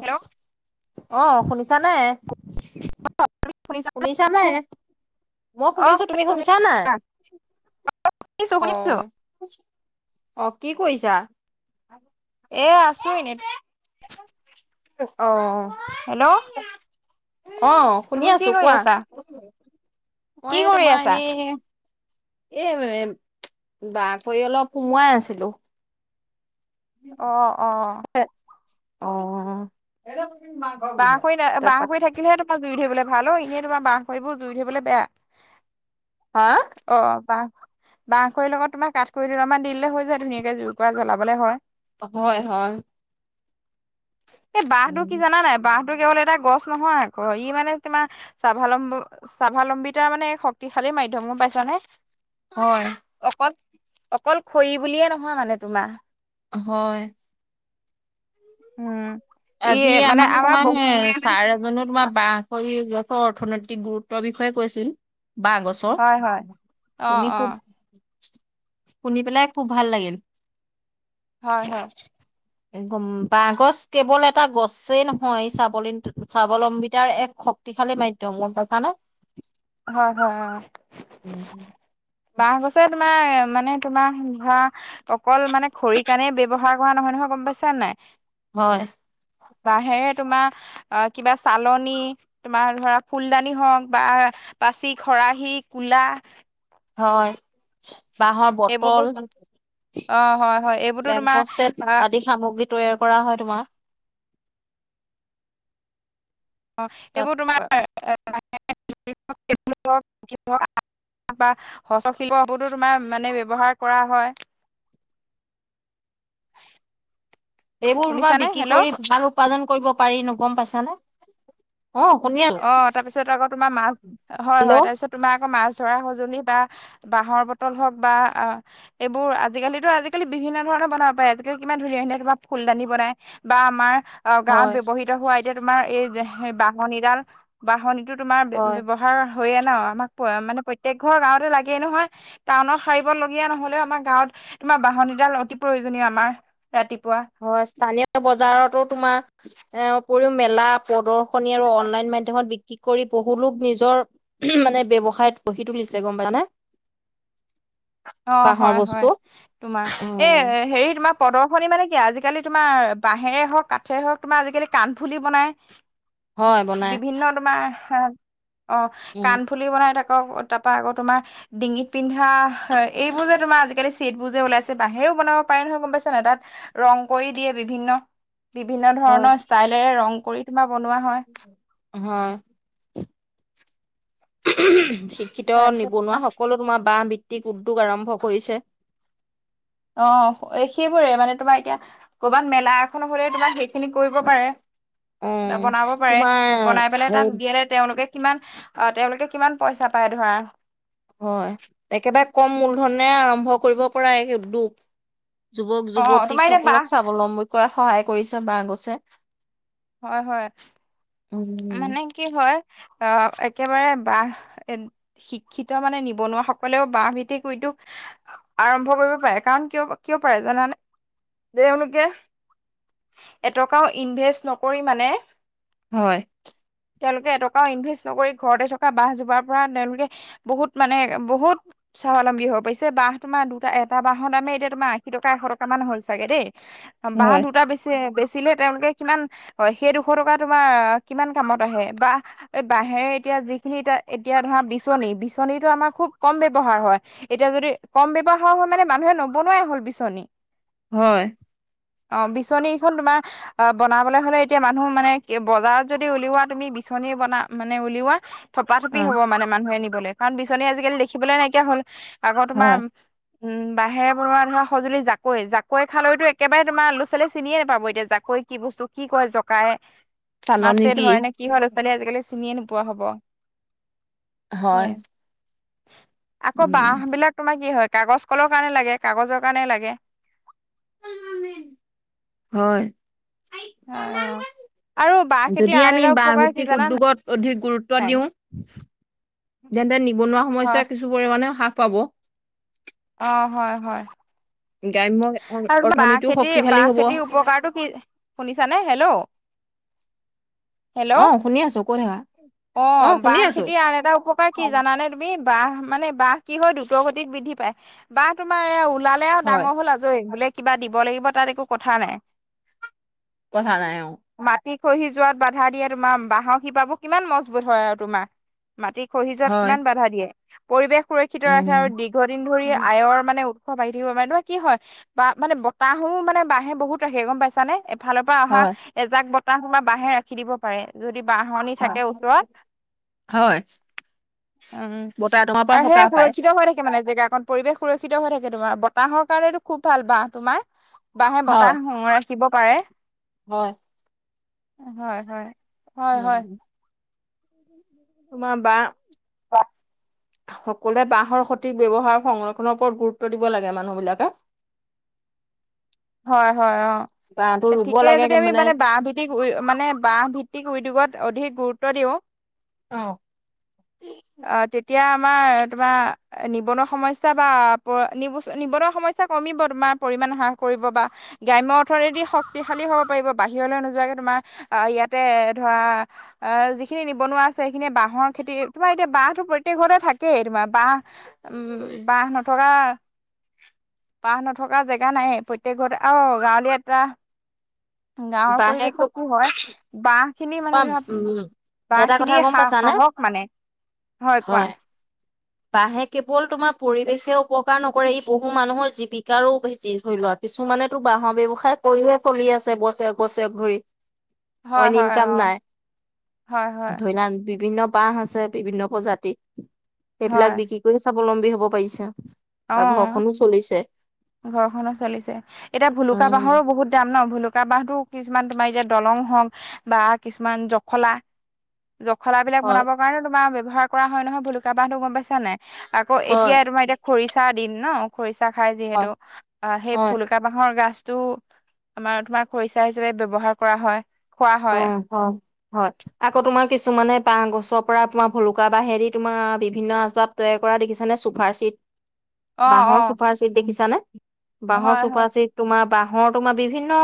Hello অ' শুনিছানে? শুনিছা শুনিছানে, মই অ শুনিছোঁ তুমি শুনিছো শুনিছা নাই? শুনিছো শুনিছো অ', অ' কি কৰিছা? এই আছোঁ এনেই। অ'। হেল্ল'। অ' শুনি তুমি কি আছোঁ কৰি কোৱা। আছা কি মই কৰি তোমাৰ আছা এনেই। এই বাহ‍ঁ খৰি অলপ সোমোৱাই আছিলোঁ। অ'-অ'। অ' বাঁহ খৰি, বাঁহ তাৰপা খৰি থাকিলে তোমাৰ জুই ধৰিবলৈ ভাল অ' এনেই তোমাৰ বাঁহ খৰিবোৰ জুই ধৰিবলৈ বেয়া। হাঁ? অ' বাঁহ বাঁহ খৰি লগত তোমাৰ কাঠ খৰি দুডালমান দি দিলে হৈ যায় ধুনীয়াকে জুইকুৰা জ্বলাবলৈ হয়। হয়-হয়। এ' বাঁহটো কি জানা নাই বাঁহটো কেৱল এটা গছ নহয় আকৌ ই মানে তোমাৰ স্বাৱলম্ব স্বাৱলম্বিতাৰ মানে শক্তিশালী মাধ্যম গম পাইছানে। হয়। অকল-অকল খৰি বুলিয়ে নহয় মানে তোমাৰ। হয়। উম। ই আজি মানে আমাৰ তোমাৰ এই বহুত ছাৰ জানোঁ তোমাৰ বাঁহ খৰি গছৰ অৰ্থনৈতিক গুৰুত্বৰ বিষয়ে কৈছিল। বাঁহ গছ হয় হয় অ শুনি অ খুব, শুনি পেলাই খুব ভাল লাগিল। হয়-হয়। বাঁহ গছ কেৱল এটা গছেই নহয় স্বাৱলম স্বাৱলম্বিতাৰ এক শক্তি শক্তিশালী মাধ্যম গম পাইছানে। হয়-হয় অ'। বাঁহ গছে তোমাৰ মানে তোমাৰ ধৰা অকল মানে খৰি কাৰণে ব্যৱহাৰ পোৱা নহয়-নহয় গম পাইছা নাই। হয়। বাঁহেৰে তোমাৰ অ' কিবা চালনি, তোমাৰ ধৰা ফুলদানি হওঁক বা পাচি, খৰাহী, কোলা হয়। বাঁহৰ এইবোৰতো বটল, অ হয় হয় এইবোৰতো তোমাৰ লেম্প চেট আহ আদি সামগ্ৰী তৈয়াৰ কৰা হয় তোমাৰ। অ'। তাত সেইবোৰ তোমাৰ [inaudible] তাৰপা হস্ত-শিল্পবোৰতো তোমাৰ মানে ব্যৱহাৰ কৰা হয়। এইবোৰ তোমাৰ শুনিছানে বিক্ৰী হেল্ল' কৰি ভাল উপাৰ্জন কৰিব পাৰি নো গম পাইছানে। অ' শুনি অ', আছোঁ। তাৰপিছত আকৌ তোমাৰ মাছ হয়-হয় তাৰপিছত তোমাৰ আকৌ মাছ ধৰা সঁজুলি বা বাঁহৰ বটল হওক বা অ' এইবোৰ আজিকালিতো আজিকালি বিভিন্ন ধৰণৰ বনাব পাৰে আজিকালি কিমান ধুনীয়া-ধুনীয়া তোমাৰ ফুলদানি বনাই। বা আমাৰ অ' গাঁৱত হয় ব্যৱহৃত হোৱা এতিয়া তোমাৰ এই বাহনিডাল বাহনিটো তোমাৰ হয় ব্যৱহাৰ হয়ে ন' আমাক মানে প্ৰত্যেক ঘৰ গাঁৱতে লাগেই নহয়। টাউনত সাৰিবলগীয়া নহ'লেও আমাৰ গাঁৱত তোমাৰ বাহনিডাল অতি প্ৰয়োজনীয় আমাৰ। ৰাতিপুৱা। হয়, স্থানীয় বজাৰতো তোমাৰ এ উপৰিও মেলা পদৰ [unintelligible] অনলাইন মাধ্যমত। কি কৰি বহুলোক নিজৰ মানে ব্যাৱসায় গঢ়ি তুলিছে গম পাইছানে? অ, বাঁহৰ হয়-হয় বস্তু। তোমাৰ এ অ হেৰি তোমাক প্ৰদৰ্শনী মানে কি আজিকালি তোমাৰ বাঁহেৰে হওক, কাঠেৰে হওঁক তোমাৰ আজিকালি কাণফুলি বনাই হয় বনাই বিভিন্ন তোমাৰ অ কাণ উম কাণফুলি বনাই থাকক তাপা আকৌ তোমাৰ ডিঙিত পিন্ধা এইবোৰ যে তোমাৰ আজিকালি চেটবোৰ যে ওলাইছে বাঁহেৰেও বনাব পাৰি নহয় গম পাইছা নাই তাত ৰং কৰি দিয়ে বিভিন্ন, বিভিন্ন হয় ধৰণৰ ষ্টাইলেৰে ৰং কৰি তোমাৰ বনোৱা হয়। হয়। শিক্ষিত তাৰপিছত নিবনুৱা তোমাৰ সকলো তোমাৰ বাহ ভিত্তিক উদ্যোগ আৰম্ভ কৰিছে। অ, সেইবোৰে মানে তোমাৰ এতিয়া ক'ৰবাত মেলা এখন হ'লে তোমাৰ সেইখিনি কৰিব পাৰে। উম বনাব পাৰে তোমাৰ বনাই পেলাই এই তাত দিয়ে তেওঁলোকে। কিমান অ' তেওঁলোকে কিমান পইচা পায় ধৰা হয়, একেবাৰে কম মূলধনে আৰম্ভ কৰিব পৰা এই উদ্যোগ। অ তোমাৰ এতিয়া বাহ যুৱক-যুৱতীসকলক স্বাৱলম্বী কৰাত সহায় কৰিছে বাঁহ গছে। হয়-হয়। উম মানে কি হয় আ একেবাৰে বাঁহ। শিক্ষিত মানে নিবনুৱা সকলেও বাঁহ ভিত্তিক উদ্যোগ আৰম্ভ কৰিব পাৰে কাৰণ কিয় কিয় পাৰে জানানে? তেওঁলোকে এটকাও ইনভেষ্ট নকৰি মানে হয়। তেওঁলোকে এটকাও ইনভেষ্ট নকৰি ঘৰতে থকা বাঁহ জোপাৰ পৰা তেওঁলোকে। বহুত মানে বহুত। স্বাৱলম্বী হ'ব পাৰিছে। বাহ তোমাৰ দুটা, এটা বাহৰ দামে এতিয়া তোমাৰ আশী টকা, এশ টকা মান হ'ল চাগে! লাগে দেই বাহ হয় দুটা বেছি বেচিলে তেওঁলোকে কিমান অ, সেই দুশ টকা তোমাৰ কিমান কামত আহে বা এই বাঁহেৰে এতিয়া যিখিনি এতিয়া এতিয়া ধৰা বিচনী, বিচনীটো আমাৰ খুব কম ব্যৱহাৰ হয়। এতিয়া যদি কম ব্যৱহাৰ হয় মানে মানুহে নবনোৱাই হ'ল বিচনী। হয়। অ' বিচনী কেইখন তোমাৰ আ বনাবলৈ হ'লে এতিয়া মানুহ মানে বজাৰত যদি উলিওৱা তুমি বিচনী বনা মানে উলিওৱা থপাথপি অ হ'ব মানে মানুহে নিবলে কাৰণ বিচনী আজিকালি দেখিবলৈ নাইকিয়া হ'ল আকৌ তোমাৰ। হয় উম বাঁহেৰে বনোৱা ধৰা সঁজুলি জাকৈ, জাক কৈ খালৈতো একেবাৰে তোমাৰ ল'ৰা, ছোৱালীয়ে চিনিয়ে নাপাব। এতিয়া জাকৈ কি বস্তু কি কয় জকাই মাছে ধৰে নে কি হয় ল'ৰা ছোৱালীয়ে আজিকালি চিনিয়ে নোপোৱা হ'ব। অ, হয় আকৌ উম বাঁহ বিলাক। তোমাৰ কি হয়, কাগজ কলৰ কাৰণে লাগে। কাগজৰ কাৰণে লাগে। হয়। অ অ আৰু বাঁহ খেতিৰ যদি আন আমি এটা বাঁহ উপকাৰ কি ভিত্তিক জানা উদ্যোগত অধিক গুৰুত্ব নাই দিও তেন্তে নিবনুৱা হয় সমস্যা কিছু পৰিমণে হ্ৰাস পাব। অ, হয় হয়। গ্ৰাম্য অ- আৰু তোমাৰ বাঁহ অৰ্থনীতিও খেতি, শক্তিশালী বাঁহ হব খেতিৰ উপকাৰটো কি শুনিছানে হেলৌ। হেল্ল' অ শুনি আছো কৈ থাকা অ, অ শুনি বাঁহ আছো খেতিৰ আন এটা উপকাৰ কি জানানে তু তুমি বাঁহ মানে বাঁহ কি হয় দ্ৰুত গতিত বৃদ্ধি পায়। বাঁহ তোমাৰ এ ওলালে আও হয় ডাঙৰ হ'ল আ জৈ হলে কিবা দিব লাগিব তাত একো কথা নাই। কথা নাই আও। মাটি খহি যোৱাত বাধা দিয়ে তোমাৰ বাঁহ শিপাবো কিমান মজবুত হয় আও তোমাৰ। মাটি খহি যোৱাত হয় কিমান বাধা দিয়ে পৰিৱেশ সুৰক্ষিত ৰাখে আৰু উম দীৰ্ঘদিন ধৰি আয়ৰ মানে স বাঢ়ি থাকিব পাৰে তুমাৰ কি হয় বা মানে বতাহো মানে বাঁহে বহুত ৰাখে গম পাইছা নে। ফালৰ পৰা অহা হয় এজাক বতাহ সুমা বাঁহে ৰাখি দিব পাৰে, যদি বাহনি থাকে ওচৰত। হয়। উম, বতাহ তোমাৰ পৰা আৰু সে সকাহ পায় সুৰক্ষিত হৈ থাকে মানে জেগাকন। পৰিৱেশ সুৰক্ষিত হৈ থাকে তোমাৰ বতাহৰ কাৰণেতো খুব ভাল বাঁহ তোমাৰ বাঁহে হয় বতাহ সুমুৱাই। থাকিব পাৰে। হয়। হয়-হয়-হয়-হয়। উম, [inaudible] তোমাৰ বা পাঁচ সকলোৱে বাঁহৰ সঠিক ব্যৱহাৰ সংৰক্ষনৰৰ ওপৰত গুৰুত্ব দিব লাগে মানুহবিলাকে। [inaudible] হয়-হয় অ, বাঁহটো এ ৰুব ঠিকে লাগে যদি আমি মানে বাঁহ ভিত তিক উই মানে বাঁহ ভিত্তিক উদ্যোগত অধিক গুৰুত্ব দিও। অ', অ, তেতিয়া আমাৰ তোমাৰ নিবনুৱা সমস্যা বা ব নিবচ নিবনুৱা সমস্যা কমিব তোমা পৰিমাণ হ্ৰাস পৰিব বা গ্ৰাম্য অৰ্থনীতি শক্তিশালী হ'ব পাৰিব বাহিৰলৈ নোযোৱাকে তোমাৰ আহ ইয়াতে ধৰা আহ যিখিনি নিবনুৱা আছে সেইখিনিয়ে বাঁহৰ খেতি তোমাৰ এতিয়া বাঁহতো প্ৰত্যেক ঘৰতে থাকেই তোমাৰ বাঁহ উম, বাঁহ নথকা-বাঁহ নথকা জেগা নায়ে। প্ৰত্যেক ঘতে অ, গাঁৱলী এটা গাঁৱ বাঁহে পৰিৱেশত খুব- কি হয় বাঁহ খিনি মানে ধৰা উম বাঁহ এটা খিনি কথা গম সা পাইছানে সাহস মানে হয় কোৱা? বাঁহে কেৱল তোমাৰ পৰিৱেশে উপকাৰ নকৰে ই বহু মানুহৰ জীৱিকাৰো জি ধৰি লত কিছুমানেতো বাঁহৰ ব্যৱসায় কৰিহে চলি আছে বছেক-বছেক ধৰি। হয়-হয়। কাম নাই ধৰি না বিভিন্ন বাহ আছে, বিভিন্ন প্ৰজাতি সেইবিলাক হয় বিক্ৰী কৰি স্বাৱলম্বী হব পাৰিছে। অ, ঘৰখনো চলিছে। ঘৰখনো চলিছে এতিয়া ভুলুকা উম বাঁহৰো বহুত তাম ন ভুলুকা বাঁহতো কিছুমান তোমা এতিয়া দলং হওক বা কিছুমান জখলা তা জখলা বিলাক হয় বনাব কাৰণে তোমাৰ ব্যৱহাৰ কৰা হয় নহয় ভুলুকা বাঁহতো গম পাইছা নাই? আকৌ এতিয়া হয় তোমাৰ এতিয়া খৰিচা দিন ন খৰিচা খাই যিহেতু হয় অহ, সেই হয় ভুলো কা বাঁহৰ গাছটো আমাৰ তোমাৰ খৰিচা হিচাপে ব্যৱহাৰ কৰা হয়। খোৱা অ, হয় হয়-হয়। আকৌ তোমা কিছুমানে বাঁ গছৰ পৰা তোমা ভলুকা বাঁহেদি তোমা বিভিন্ন আচবাব তৈয়াৰ কৰা দেখিছ নে চুফাৰ চিট অ বাঁহৰ ছুপাৰ চিট, দেখিছানে? অ বাঁহৰ হয় হয় চুপাৰ চিত। তোমাৰ বাঁহৰ তোমাৰ বিভিন্ন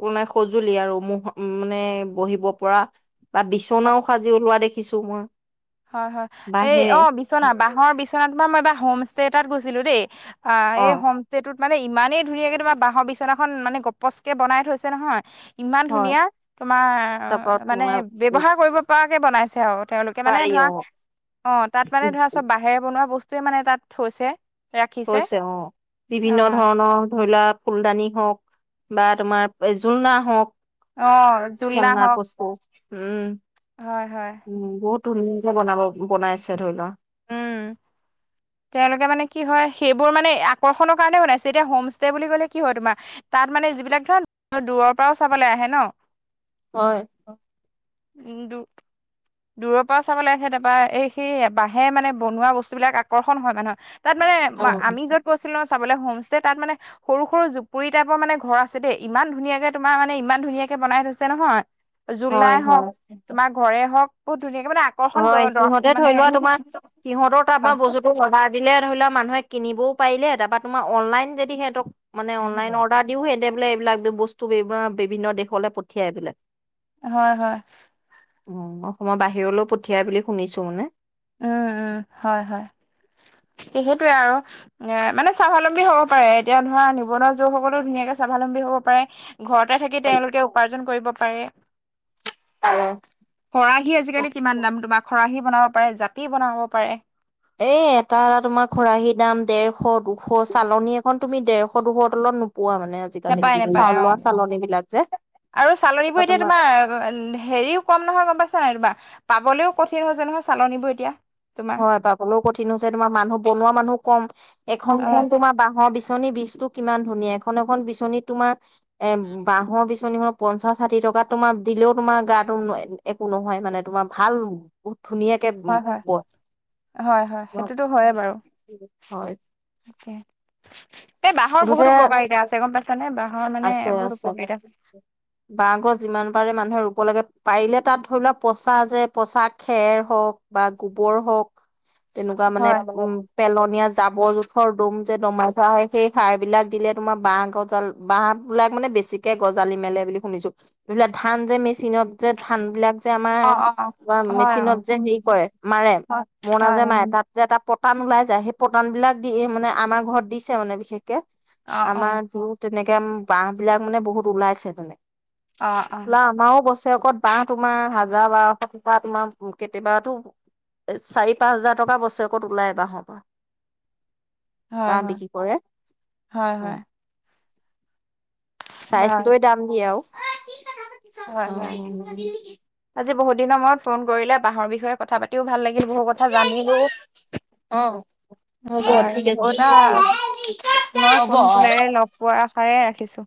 মানে সজুলি আৰু ম উম, মানে বহিব পৰা বা বিচনাও সাজি ওলোৱা দেখিছো মই। হয়-হয় এই বাঁহেৰে অ, বিচনা বাঁহৰ বিচনা থকা তোমাৰ মই এইবাৰ হোম ষ্টে এটাত গৈছিলো দেই। আ‌ অ এই হম তেতোট মানে ইমানেই ধুনীয়াকে তোমাৰ বাঁহৰ বিচনাখন মানে গপচ কে বনাই থৈছে নহয়? ইমান হয় ধুনীয়া তোমাৰ তাৰপৰা মানে, তোমাৰ উ ব্যৱহাৰ কৰিব পৰাকে বনাইছে আৰু তেওঁলোকে। মানে পাৰি ধৰা অ অ, তাত মানে ধৰা চব বাহেৰে বনোৱা বস্তুৱয়ে মানে তাত হৈছে। হৈছে অ, বিভিন্ন ধৰণৰ ধৰি লোৱা ফুলদানি হওক বা তোমাৰ জোলনা হওঁক, অ জোলনা খেলনা হওক বস্তু উম হয় হয়। উম বহুত ধুনীয়াকে বনাব, বনাইছে ধৰি লোৱা। উম তেওঁলোকে মানে কি হয়, সেইবোৰ মানে আকৰ্ষণৰ কাৰণে বনাইছে এতিয়া হোমষ্টে বুলি ক'লে কি হয় তোমাৰ ধৰা তাত মানে যিবিলাক ধৰ দূৰৰ পৰাও চাবলে আহে ন। হয়। উম দুু দূৰৰ পৰা চাবলৈ আহে, তাৰপৰা এই সি বাঁহে মানে বনোৱা বস্তুবিলাক আকৰ্ষণ হয় মানহ তাত অ মানে আমি য'ত গৈছিলো চাবলৈ হোম ষ্টে তাত মানে, সৰু সৰু জুপুৰি টাইপৰ মানে ঘৰ আছে দেই। ইমান ধুনীয়াকে তোমাৰ মানে ইমান ধুনীয়াকে বনাই থৈছে নহয়। হয় জোলনাই হওক হয় তোমাৰ ঘৰে হওক বহুত ধুনীয়াকে মানে আকৰ্ষণ হয় সিহঁতে মানে ধৰি লোৱা, তোমাৰ সিহঁতৰ তাৰপৰা বস্তুটো অৰ্ডাৰ দিলে ধৰি লোৱা মানুহে কিনিবও পাৰিলে তাৰপৰা তোমাৰ অনলাইন যদি সিহঁতক মানে অনলাইন অৰ্ডাৰ দিওে বোলে এইবিলাক বস্তু বি বিভিন্ন দেশলে পঠিয়াই এইবিলাক। হয়, হয়। অ অসমৰ বাহিৰলৈও পঠিয়াই বুলি শুনিছোঁ মানে। উম, উম, হয় হয়। সে সেইটোৱে আৰু এ মানে স্বাৱলম্বী হব পাৰে, এতিয়া ধৰা নিবনুৱা যুৱসকললে ধুনীয়াকে স্বাৱলম্বী হব পাৰে। ঘৰতে থাকি তেওঁলোকে উপাৰ্জন কৰিব পাৰে। পাৰে খৰাহী আজিকালি কিমান দাম তোমাক, খৰাহি বনাব পাৰে, জাপি বনাব পাৰে। এ এটা এটা তোমাৰ খোৰাহীৰ দাম দেৰশ দুশ চালনী এখন তুমি ডেৰশ দুশৰ তলত নো পোৱা মানে। আজিকালি। নেপায় নেপায় চাউল অঁ লোৱা চালনী বিলাক যে আৰু চালনীবোৰ এতিয়া তোমাৰ অঁ হেৰিও কম নহয় গম পাইছা নাই কিবা পাবলৈও কঠিন হৈছে নহয় চালনীবোৰ এতিয়া। তোমাৰ হয় পাবলৈও কঠিন হৈছে তোমাৰ মানুহ বনোৱা মানুহ কম। এখন অ এখন তোমাৰ বাঁহৰ বিচনী বীচতো কিমান ধুনীয়া এখন এখন বিচনীত তোমাৰ এ বাঁহৰ বিচনীখনত পঞ্চাশ ষাঠি টকাত তোমাৰ দিলেও তোমাৰ গাটো একো নহয় মানে তোমাৰ ভাল, বহুত ধুনীয়া হয় হয় হয় হয় সেইটোতো হয়ে বাৰু। হয়। তাকে। এ বাঁহৰ মুঠতে বহুত উপকাৰিতা আছে, গম পাইছা নে? মানে আছে বহুত আছে উপকাৰিতা আছে। বাঁহ গছ যিমান পাৰে মানুহে ৰুব লাগে। পাৰিলে তাত ধৰি লোৱা পচা যে পচা খেৰ হওঁক। বা গোবৰ হওক, তেনেকুৱা মানে হয় উম পেলনীয়া জাবৰ জোথৰ দম যে দমাই থোৱা হয়। সেই সাৰ বিলাক দিলে, তোমাৰ বাহ গজাল বাহ বিলাক মানে বেছিকে গজালি মেলে বুলি শুনিছো। এইবিলাক, ধান যে মেচিনত যে ধান বিলাক যে আমাৰ অ অ অ হয় মেচিনত যে অ হেৰি কৰে, মাৰে হয় মৰণা যে হয় মাৰে তাত যে এটা পতান ওলাই যায় সেই পতান বিলাক দি মানে আমাৰ ঘৰত দিছে মানে। বিশেষকে অ', আমাৰ অ', যি তেনেকে বাহ বিলাক মানে বহুত ওলাইছে তেনেকে। অ', অ', বলা আমাৰও গল। চেকত বাহ তোমাৰ হাজাৰ বাৰশ টকা তোমাৰ কেতিয়াবাতো। চাৰি পাঁচ হাজাৰ টকা বছৰেকত ওলাই বাহত। হয় বাহ হয় বিক্ৰী কৰে। হয় অ হয়। চাইছ বাৰু লৈ দাম দিয়ে আৰু হয় হয় আজি বহুত দিনৰ মূৰত ফোন কৰিলে বাঁহৰ বিষয়ে কথা পাতিও ভাল লাগে। বহু কথা জানিলো। অ বাৰু হ'ব দে, অ পুনৰ ফোন কলে লগ পোৱা আশাৰে ৰাখিছোঁ।